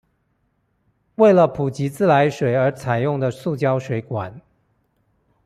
為了普及自來水而採用的塑膠水管